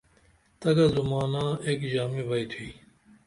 تگہ زُمانہ ایک ژامی بیئتھوئی